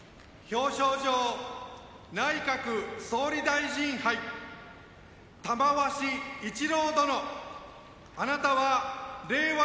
表彰状内閣総理大臣杯玉鷲一朗殿あなたは令和